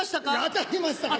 「当たりましたか？」